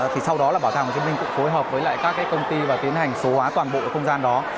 thì sau đó là bảo tàng hồ chí minh cũng phối hợp với lại các cái công ty và tiến hành số hóa toàn bộ không gian đó